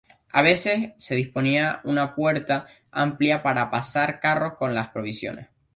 A veces, se disponía una puerta amplia para pasar carros con las provisiones.